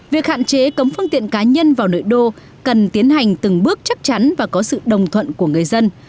việc hạn chế cấm phương tiện cá nhân vào nội đô cần tiến hành từng bước chắc chắn và có sự đồng thuận của người dân